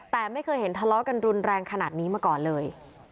แต่ไม่เคยเห็นทะเลาะกันรุนแรงขนาดนี้มาก่อนเลย